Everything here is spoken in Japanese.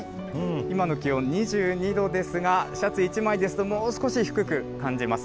今の気温２２度ですが、シャツ１枚ですと、もう少し低く感じます。